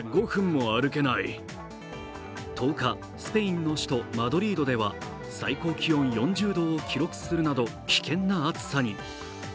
１０日、スペインの首都マドリードでは最高気温４０度を記録するなど危険な暑さに。